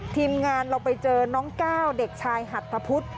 ทีมงานเราไปเจอน้องก้าวเด็กชายหัตตะพุทธ